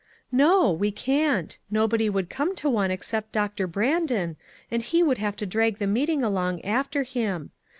"" No ; we can't. Nobody would come to one except Doctor Brandon, and he would have to drag the meeting along after him.